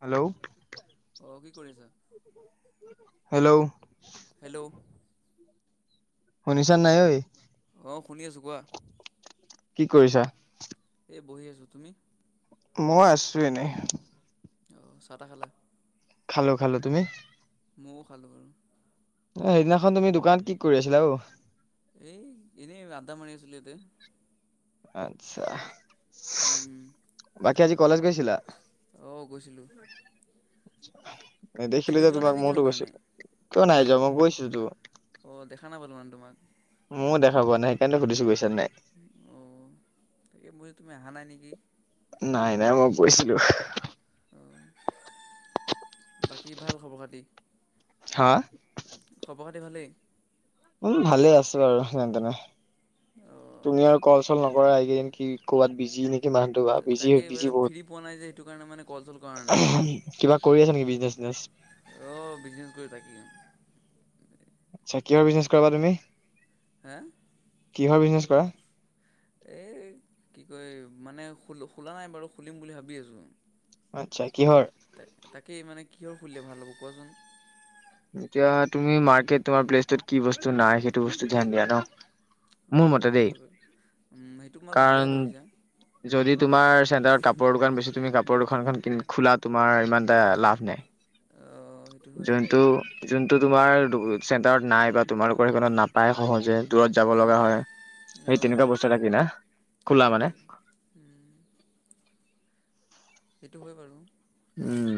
Hello অ কি কৰি আছা? [inaudible] Hello hello? মনিচা নাই অই। অ'! শুনি আছোঁ কোৱা? কি কৰিছা? এই বহি আছোঁ। তুমি? মই আছোঁ এনে। চাহ টা খালা? খালোঁ, খালোঁ। তুমি? মইয়ো খালোঁ বাৰু। সেইদিনাখন তুমি দোকানত কি কৰি আছিলা ঔ? এ, এনেই আদ্দা মাৰি আছিলোঁ ইয়াতে। ইচ্ছা! উম! বাকী আজি কলেজ গৈছিলা? অ'! গৈছিলোঁ। [inaudible] নেদেখিলো তুমি যে যোৱা নাই তোমাক? মইতো কিহৰ গৈছো, কাৰণে? কিয় নাই হা যোৱা, মই গৈছোঁ তো। অ দেখা [inaudible] মইয়ো দেখাপোৱা নাই। সেইকাৰণে, সুধিছোঁ বেছি। অ তাকে মই [unintelligible] তুমি আহা নাই নেকি? নাই, নাই। মই গৈছিলোঁ। অ'! বাকী ভাল খবৰ খাতি? হা? খবৰ খাতি ভালেই। উম! ভালে আছোঁ বাৰু যেনে তেনে। অ তুমি আৰু ক'ল চল নকৰা। এইকেইদিন কি ক'বাত বিজি নেকি? মানুহটো বা বিজি তাকে বিজি মানে, বহুত। ফ্ৰী পোৱা নাই যে। সেইটো কাৰণে মানে, ক'লচল কৰা নাই। কিবা কৰি আছা নেকি বিজনেচ চিজনেচ? অ'! বিজনেছ কৰি থাকিম। আচ্ছা! কিহৰ বিজনেছ কৰা বা তুমি? হা? কিহৰ বিজনেছ কৰা? এই, কি কয় মানে, খোলা নাই বাৰু খুলিম বুলি ভাবি আছোঁ! আচ্ছা! কিহৰ? ত' তাকেই মানে, কিহৰখুলিলে ভাল হ'ব কোৱাছোন? এতিয়া তুমি মাৰ্কেট, তোমাৰ প্লেচটোত কি বস্তু নাই সেইটো বস্তু ধ্যান দিয়া ন'? অ মোৰ মতে সেইটো দেই! হয় বাৰু উম, সেইটো তোমাৰ ভালে কাৰণ, কথা কৈছা যদি তোমাৰ চেণ্টাৰত কাপোৰৰ দোকান বেছি তুমি, কাপোৰৰ দোকানখন খোলাত তোমাৰ ইমান এটা লাভ নাই। অ' সেইটো হয় যোনটো, যোনটো তোমাৰ, চেণ্টাৰত নাই বা তোমালোকৰ সেইখনত নাপায়। সহজে দূৰত যাব লগা হয়। সেই তেনেকুৱা, বস্তু এটা কিনা, খোলা মানে? তাকেই সেইটো হয় বাৰু। উম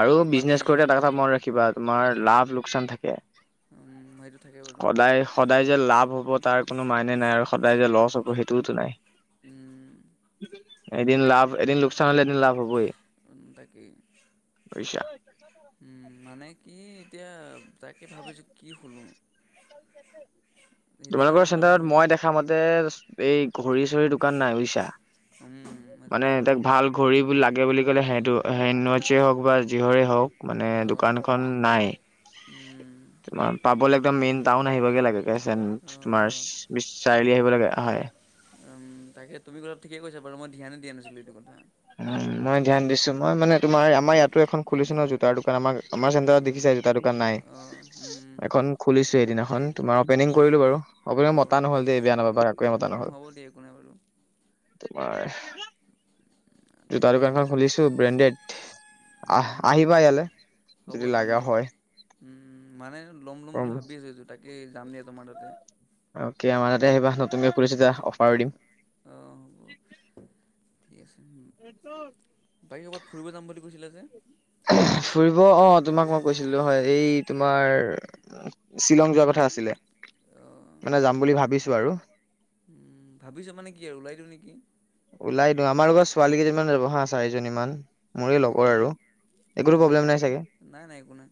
আৰু মানে বিজনেছ কৰোঁতে এটা কথা মনত ৰাখিবা তোমাৰ লাভ লোকচান থাকে। উম, ‌সেইটো সদায় সদায় যে লাভ হব তাৰ কোনো মাইনে নাই আৰু সদায় যে লচ হ'ব সেইটোওতো নাই উম, এদিন লাভ এদিন লোকচান হ'লে এদিন লাভ হ'বই তাকেই বুজিছা উম মানে কি [unintelligible] তাকে ভাবি যে কি খুলোঁ কাৰণে তোমালোকৰ মানে চেণ্টাৰত ভাবে মই দেখা মতে এই ঘড়ী চৰিৰ দোকান নাই বুজিছা উম, সেইটো মানে নাই এটাক বাৰু ভাল ঘড়ী লাগে বুলি ক'লে সেইটো হেণ্ড ৱাটচয়ে হওক বা যিহৰে হওক মানে দোকান অ' খন নাই উম, ম পাবলে একদম মেইন টাউন আহিবগে লাগে [unintelligible] অ' চাৰিআলি আহিব লাগে হয় তাকে তুমি অলপ ঠিকেই কৈছা যে বাৰু মই ধ্যানে দিয়া নাছিলোঁ এইটো কথা উম মই ধ্যান দিছো মই মানে তোমাৰ আমাৰ ইয়াতো এখন খুলিছো ন জোতাৰ দোকান আমাৰ আমাৰ চেণ্টাৰত দেখিছে জোতাৰ দোকান নাই অঁ উম এখন খুলিছো সেইদিনাখন তোমাৰ অপেনিং কৰিলো বাৰু অপেনিংত মতা নহ'ল দেই বেয়া নাপাবা কাকোৱেই মতা নহ'ল দে একো নাই বাৰু তোমাৰ জোতাৰ তাকে দোকান খন খুলিছো ব্ৰেণ্ডেড উম আহ আহিবা ইয়ালৈ হ'ব যদি যাম লাগা দিয়া হয় উম মানে লম ল'ম ভাবি আছো জোতা তে যাম দিয়া তোমাৰ তাতে অকে আমাৰ তেতি আহিবা নতুনকৈ কৰিছোঁযে উম অফাৰও দিম অঁ হ'ব ঠিক আছে বাকী ক'বাত ফুৰিব যাম বুলি কৈছিলা যে ফুৰিব অ তোমাক মই কৈছিলো হয় এই তোমাৰ শ্বিলং যোৱা কথা আছিলে মানে যাম বুলি ভাবিছো আৰু উম ভাবিছো মানে কি আৰু ওলাই দিওঁ নেকি ওলাই দিওঁ আমাৰ লগৰ ছোৱালী কেইজনীমান যাবহা চাৰিজনী মান মৰে লগ অ হ'ব নাই বাৰু নাই নাই একো নাই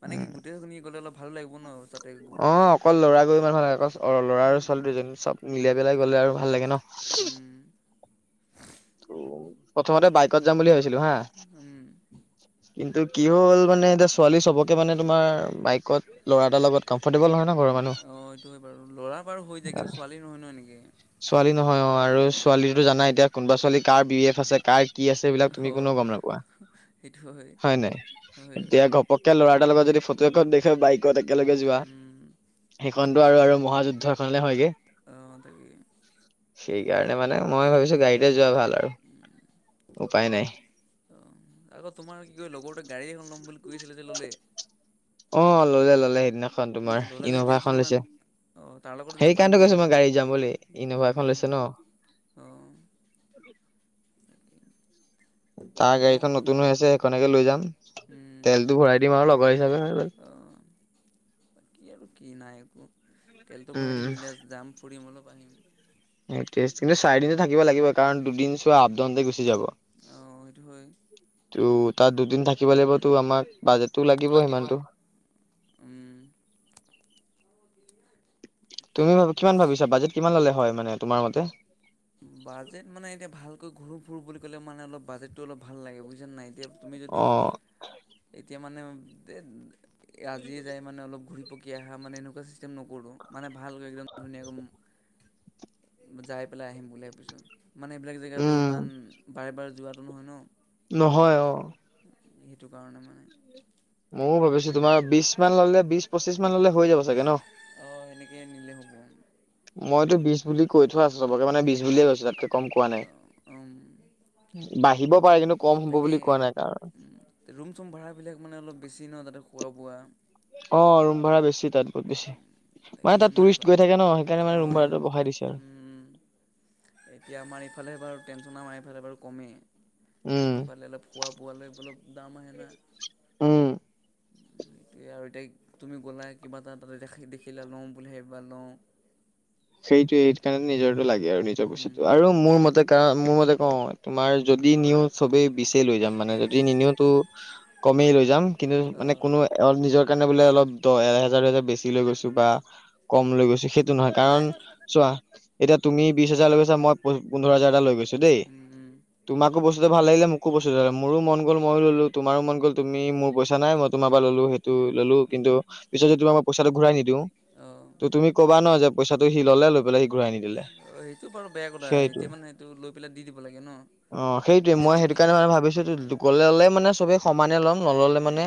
মানে কি উম গোটেই খিনি গ'লে অলপ অ ভাল লাগিব ন তাতে অ অকল লৰা গৈ ইমান ভাল লাগে অ ল'ৰা আৰু ছোৱালী দুজনী চব মিলাই পেলাই গলে তাকে আৰু ভাল লাগে ন উম প্ৰথমতে বাইকত যাম বুলি ভাবি [unintelligible] হা উম কিন্তু কি হ'ল মানে এতিয়া ছোৱালী চবকে মানে তোমাৰ বাইকত ল'ৰা এটাৰ লগত কম ফ'ৰৰ্টেবল নহয় ন ঘৰৰ মানুহ অ এইটো হয় বাৰু ল'ৰা বাৰু হৈ যায় কিন্তু ছোৱালী নহয় ন এনেকে ছোৱালী নহয় অ আৰু উম ছোৱালীো জানা এতিয়া কোনোবা ছোৱালী কাৰ বি এফ আছে কাৰ কি আছে এইবিলাক তুমি অ কোনেও গম নাপোৱা হয় নাই হয় হয় এতিয়া ঘপককে ল'ৰা যদি ফটো এখন দেখ বাইক ত একেলগে যোৱা উম সেইখনতো আৰু মহা যুদ্ধ খালে হয়য়ে অ তাকে সেইকাৰণে মানে মই ভাবিছো গাড়ীতে যোৱা ভাল আৰু উপায় নাই অ আকৌ তোমাৰ কি ক লগৰতোৱে গড়ী এখন লম বুলি কৈছিলে যে ল'লে অ ল'লে ল'লে সেইদিনা এখন নাই তোমাৰ ল'লে যদি ইন'ভা টেনচন এখন ইমান লৈছে অ তাৰ লগতে যাব সেই পাৰিম ন কাৰণতে কৈছো অলপ মই গাড়ী যাম বুলি ইন'ভা এখন উম লৈছে ন অ তাৰ মোৰ গাড়ীখন নতুন হৈ আছে খনকেই লৈ যাম উম তেলটো ভৰাই দিম আৰু লগৰ হিচাপে হৈ গ'ল অ কি আৰু কি নাই একো উম পানী তেচ কিনে চাৰিদিনো থাকিব লাগিব কাৰণ দুদিন চোৱা আপডাউনতে গুচি যাব অ সেইটো হয় টো তাত দুদিন থাকিব লাগিবতো আমাক বাজেটো টো লাগিব লাগিবই সিমানটো উম তুমি ভা কিমান ভাবিছা বাজেট কিমান ললে হয় মানে তোমাৰ মতে বাজেট মানে এতিয়া ভাল ঘুৰো ফুৰো বুলি কলে মানে অলপ বাজটটো অলপ ভাল লাগে বুজিছনে নাই এতিয়া তুমি যদি অ তিয়া মানে অম আজিয়ে যাই মানে অলপ ঘূৰি পকি অহা মানে এনেকোৱা চিচতেম নকৰোঁ মানে ভালকৈ একদম ধুনীয়া কৈ যাই পেলাই আহিম বুলি ভাবিছোঁ মানে এইবিলাক জেগাটো উম ইমান বাৰে বাৰে যোৱা নহয় ন নহয় অ সেইটো কাৰণে মানে ময়ও ভাবিছো তোমাৰ বিশ মান ললে বিশ পঁচিশ মানলে হৈ যাব চাগে ন অঁ সেনেকৈ নিলে হ'ব মইতো বিছ বুলি কৈ থোৱা আছে চবকে মানে বিছ বুলিয়ে কৈছো তাতকে কম কোৱা নাই অঁ বাঢ়িব পাৰে কিন্তু কম হব তাকে বুলি কোৱা নাই কাৰণ ৰুম চুম ভাড়াবিলাক মানে অলপ বেছি ন তাতে খোৱা বোৱা। অ ৰুম ভাড়া বেছি। বহুত বেছি তাকে মানে তাত আমাৰ টুৰিষ্ট গৈ থাকে ন সেইকাৰণে মানে ৰুম ভাড়াতো বঢ়াই দিছে আৰু। অঁ জনাম এইফালে বাৰু কমে। উম ইফালে অলপ খোৱা বোৱালৈ অলপ দাম আহে না। উম সেইটোৱে আৰু এতিয়া তুমি গ'লা কিবা এটা তাতে দেখিলা লওঁ বুলি ভাবিবা লওঁ। সেইটোৱে এই- সেইকাৰণে নিজৰটো লাগে আৰু নিজৰ বস্তুটো আৰু মোৰ মতে কাৰণ- মোৰ মতে কওঁ তোমাৰ যদি নিও চবেই বিচাৰি লৈ যাম মানে যদি নিনিওটো কমেই লৈ যাম। কিন্তু মানে অঁ কোনো নিজৰ- কাৰণে বোলে অলপ দহ এহেজাৰ দুহেজাৰ বেছি লৈ গৈছো বা কম লৈ গৈছো সেই- টো নহয় নাই কাৰণ- এতিয়া তুমি বিশ হাজাৰ লৈ গৈছা মই- পোন্ধৰ হাজাৰ এটা লৈ গৈছো। দেই তোমাকো বস্তু- ভাল লাগিলে মোকো মোৰো মন গ'ল মইও লৈ ললো। তোমাৰো মন গ'ল তুমি মোৰ নাই মই তোমাৰ পৰা ললো সেইটো ললো কিন্তু পিছত যদি তোমাক মই পইছাটো ঘূৰাই নিদিও- অঁ ত তুমি ক'বা নহ- ত সি ললে লৈ পেলাই ঘূৰাই নিদিলে। সেইটো বাৰু বেয়া কথা সেইটো এতিয়া মানে সেইটো লৈ পেলাই দি দিব লাগে ন অ সেইটোৱে এতিয়া মই সেইটো তুমি কাৰণে মানে ভাবিছো ললে মানে- চবে সমানে ল'ম নল'লে মানে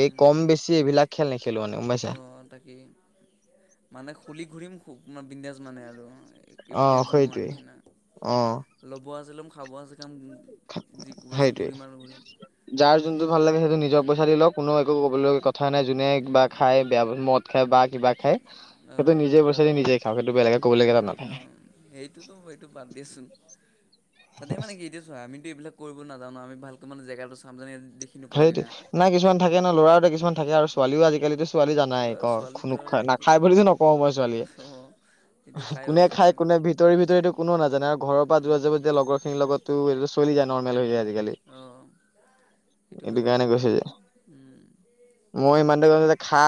এই কম বেছি এইবিলাক খেল- নেখেলো মানে গম পাইছা। অ তাকেই মানে- খুলি ঘূৰিম খুব মই বিন্দাজ মানে আৰু। অ একো টেনচন নোহোৱাৰ সেইটোৱে। নিচিনা। অ ল'ব আছে লম- খাব আছে- খাম যি ঘূৰিব আছে সেইটোৱে ঘূৰিম আৰু ঘূৰিম বা- পইছা দি লওঁক কোনো একো ক'বলগীয়া কথা নাই। যোনে কিবা খাই বেয়া মত- খায় বা কিবা খায়- আহ বেলেগে ক'বলগীয়া তাত অ নাথাকে। সেইটোতো এইটো বাদ দে চোন। তাতে মানে কি এতিয়া চোৱা আমিতো এইবিলাক- কৰিব নাজানো আমি ভালকৈ মানে জেগাটো চাম যেনেকে- সেইটো নাই কিছুমান থাকে ন ল'ৰা এটা কিছুমান থাকে আৰু ছোৱালীও আজিকালি- ছোৱালী জানাই ক অ' ছোৱালীটো খুনক আৰু কি নাখাই ক'বা। বুলিওঁ নকওঁ মই। ছোৱালীয়ে অ' সেইটো আৰু কোনে খাই ছোৱালী অ' কোনে ভিতৰি ভিতৰিতো কোনো নাজানে আৰু ঘৰৰ পৰা যাব যে লগৰ খিনিৰ লগতো এইটো চলি যায় নৰ্মেল হৈ যায় আজিকালি। অ', সেইটো হয় এইটো বাৰু। কাৰণে কৈছে যে উম, মই ইমানতে কৈছোঁ- খা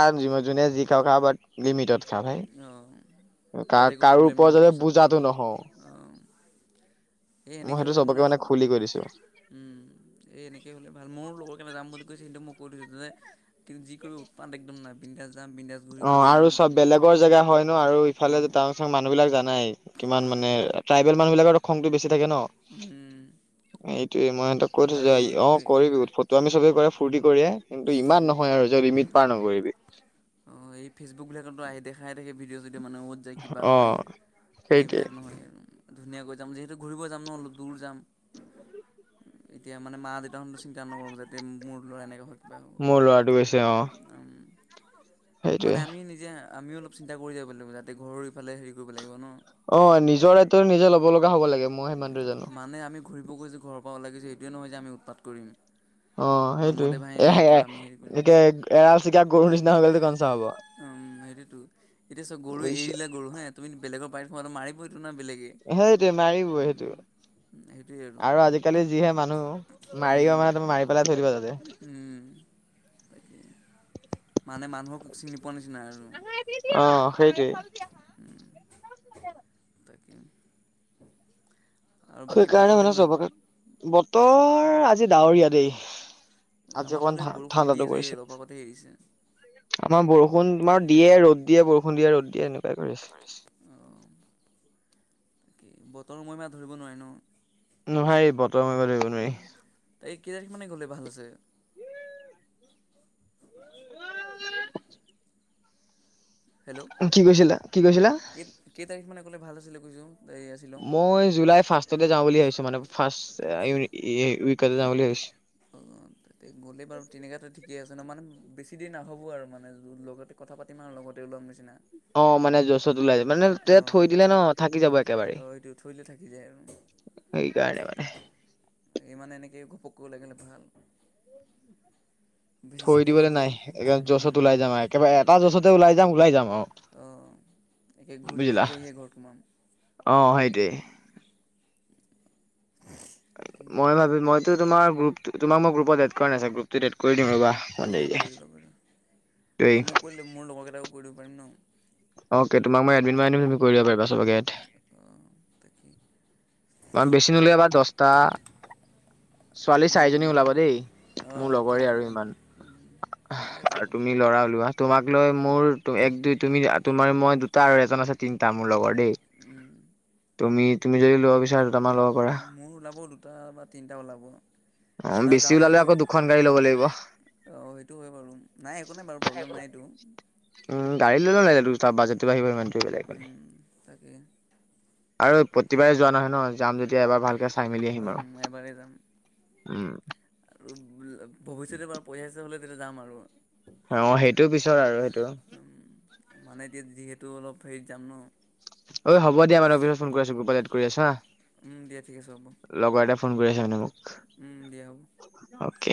যোনে যি খাওঁ খা বাট লিমিটত। খা ভাই অ কা যাতে একো কাৰো প্ৰব্লেম ওপৰত নহওক যাতে পিছত। বুজাতো নহও অ এই মই এনেকে সেইটো হ'লে মানে চবকে অলপ খুলি কৈ দিছো উম। এই এনেকে হ'লে ভাল মোৰ লগৰ কেইটা যাম বুলি কৈছে কিন্তু মই কৈ দিছো যে কিন্তু যি কৰি উৎপাত একদম নাই। বিন্দাছ যাম বিন্দাছ ঘুৰি কৰি আহিম। গৰ জেগা হয় ন আৰু ইফালে অ' টাউন ছাউন মানুহ বিলাক জানাই কিমান অ', মানে তাকে ট্ৰাইবেল মানুহ বিলাকৰো খং টো বেছি থাকে ন? উম, সেই এই ইমান কৰি থৈ আৰু যায়। কি অ কয় কৰিবি ফটোআমি চবে কৰে ফুৰ্তি কৰিয়ে কিন্তু উম, ইমান নহয় আৰু যে লিমিট পাৰ নকৰিবি। অ এই ফেচবুক বিলাকত দেখাই থাকে ভিডিঅ চিডিঅ। যে মানুহে কত যায়, কিবা অ হয় সেইটোৱে এইবিলাক নহয় জানো? ধুনীয়াকৈ যাম। যিহেতু ঘূৰিব যাম ন অলপ দূৰ যাম। এতিয়া মানে মা দেউহতো চিন্তা নকৰক যাতে মোৰ ল'ৰা এনেকৈ হয় কিবা হ'ব। মোৰ ল'ৰাটো গৈছে, উম, অ। সেইটোয়ে মানে আমি নিজে আমি অলপ চিন্তা কৰি যাব লাগিব যাতে ঘৰ ইফালে হেৰি কৰিব লাগিব ন? অ নিজৰ দায়িত্ব নিজে ল'ব লগা হ'ব লাগে মই সিমানটো জানো মানে আমি ঘুৰিব গৈছো, ঘৰৰ পৰা ওলাই গৈছো। এইটোৱেই নহয় যে আমি উৎপাত কৰিম। অ বা সেইটোৱেই। মদে ভাঙি এয়া খাই পূৰা আমি হেৰি এয়াই। কৰিম। যেতিয়া এৰাল চিগা গৰু নিচিনা হৈ গলেটো কনচা হ'ব উম সেইটোৱেটো। এতিয়া চব গৰু এৰি বুজিছা দিলে গৰু হে। তুমি বেলেগৰ বাৰীত সোমালে মাৰিবই তো সেইটোৱে মাৰিবই সেইটোৱে। আৰু আজিকালি যিহে মানুহ মাৰিও উম মানে মাৰি পেলাই থৈ দিব তাতে। উম মানে মানুহক চিনি পোৱা নিচিনা আৰু অ সেইটোৱে। উম। সেইকাৰণে মানে চবকে, বতৰ আজি ডাৱৰীয়া দেই। আজি আমাৰ অকমান ফালে বৰষুণ দি ঠাণ্ডাটো আছে পৰিছে অলপ আগতে এৰিছে। আমাৰ বৰষুণ আমাৰ দিয়ে ৰ'দ দিয়ে বৰষুণ দিয়ে ৰদ দিয়ে এনে- অ কৰিছ অ বাকী বতৰ মৰিমা ধৰিব নোৱাৰি। নো নহয় এই বতৰ মহিমা ধৰিব নোৱাৰি। তাই কেই তাৰিখ মানে গ'লে ভাল আছে [unintelligible] হেল্ল' কি কৈছিলা কি কৈছিলা কে কেই তাৰিখ মানে ক'লে ভাল আছিলে কৈছোঁং এইয়া শ্বিলং মই জুলাই যাওঁ বুলি ভাবছো মানে ফাৰ্ষ্ট উইকতে যাওঁ বুলি ভাবিছ তাতে গলে বাৰু তেনেকাতে ঠিক ঠিকে আছে ন মানে বেছি দেৰি নাহব আৰু মানে লগতে কথা পাতিম আৰু লগতে ওলাম নিচিনা। অ মানে যচত ওলাই মানে অ তেয়া থৈ দিলে ন থাকি যাব একেবাৰে অ এইটো থৈ দিলে থাকি যায় আৰু সেইকাৰণে মানে গো লেগেনে ভাল বেছি থৈ চিন্তা দিবলৈ কৰিব নাই লাগে এক উম জ'চত ওলাই যাও আৰু একেবাৰে এটা জচতে ওলাই যাও ওলাই যাও। একে অ ঘূৰি বুজিলা পকি আহিয়ে ঘৰত সোমাম অ সেইটোৱেই তাকেই মই ভাবি মই তোমাৰ তোক মই গ্ৰোপত এড কৰা নাই গ্ৰোপত এড কৰি দিম ৰবা অকমান অ দেৰিকে কৰিবা কৰি দেই আৰু মোক কৰিলে মোৰ লগৰকেইটাকো কৰি দিব পাৰিম ন। অকে তোমাক মই এডমিট মাই আনিম তুমি কৰি দিবা পাৰিবা চবকে এড অঁ তাকেই ম বেছি নোলিয়াবা দছটা ছোৱালী চাৰিজনী উম। ওলাব দেই অঁ মোৰ অঁ ঠিক লগৰে আছে আৰু বাৰু ইমান ঠিক আছে আৰু একো নাই তুমি লৰা ওলোৱা। তোমাক লৈ মোৰ টো এক দুই তুমি তোমাৰ মই দু- তাৰ এজন আছে তিনিটা মোৰ লগৰ লৌ তুমি তুমি যদি লোৱা পিছ উ মোৰ ওলাব দুটা বা তিনিটা ওলাব। অ এটা বেছি যাওঁ বুলি ওলালে কৈ আকৌ দুখন গাড়ী ল'ব লাগিব অ সেইটো হয় বাৰু নাই একো নাই বাৰু প্ৰব্লেম নাই এইটো। বাজেটো আহিব সিমান তে বেলেগ একো নাই উম। তাকে আৰু প্ৰতিবাৰে যোৱা নহয় নহয়। যাম যেতিয়া এবাৰ ভালকে চাই মেলি আহিম অ আৰু এবাৰেই যাম উম আৰু ভৱিষ্যতে বাব, পঢ়ি আহিছে বোলে তেতিয়া যাম আৰু, অ সেইটো পিছৰ আৰু সেইটো। মানে এতিয়া যিহেতু অলপ হেৰিত যাম ন, অঐ হ'ব দিয়াাৰ মই অলপ পিছত ফোন কৰি আছো, গ্ৰোপত এড কৰি আছো হা। উম দিয়া ঠিক আছে হ'ব। লগৰ এটাই ফোন কৰি আছে মানে মোক। উম দিয়া আও। অকে